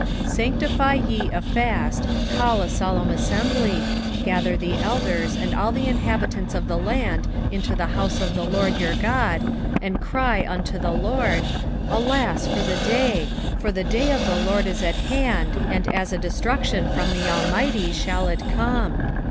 1:14 Sanctify ye a fast, call a solemn assembly, gather the elders and all the inhabitants of the land into the house of the LORD your God, and cry unto the LORD, 1:15 Alas for the day! for the day of the LORD is at hand, and as a destruction from the Almighty shall it come.